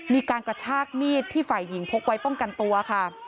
มีการกระชากมีดที่ฝ่ายหญิงพกไว้ป้องกันตัวค่ะ